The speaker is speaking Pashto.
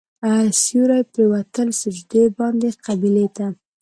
سیوري پرېوتل سجدې باندې قبلې ته.